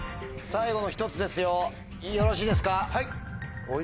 最後の１つですよよろしいですか？